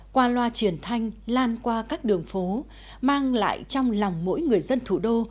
qua loa truyền thanh lan qua các đường phố mang lại trong lòng mỗi người dân thủ đô